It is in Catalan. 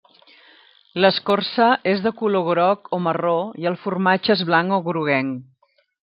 L'escorça és de color groc o marró, i el formatge és blanc o groguenc.